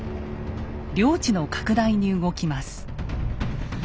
領地の拡大に動きます。